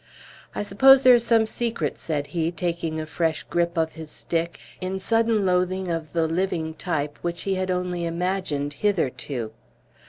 "I suppose there is some secret," said he, taking a fresh grip of his stick, in sudden loathing of the living type which he had only imagined hitherto.